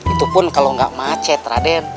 itu pun kalau nggak macet raden